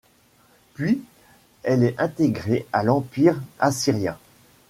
Puis elle est intégrée à l'empire assyrien.